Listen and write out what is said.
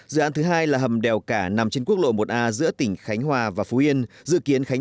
dự án thứ hai là hầm đèo cả nằm trên quốc lộ một a giữa tỉnh khánh hòa và phú yên dự kiến khánh